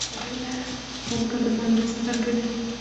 خلک هلته په ارامۍ سفر کوي.